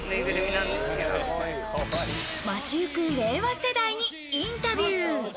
街ゆく令和世代にインタビュー。